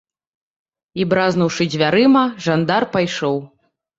І, бразнуўшы дзвярыма, жандар пайшоў.